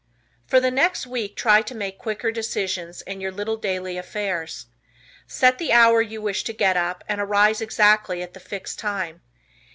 For the next week try to make quicker decisions in your little daily affairs. Set the hour you wish to get up and arise exactly at the fixed time.